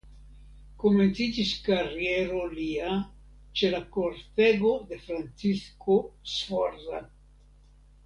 Komenciĝis kariero lia ĉe la kortego de Francisko Sforza.